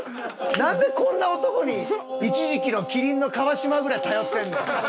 なんでこんな男に一時期の麒麟の川島ぐらい頼ってんねん。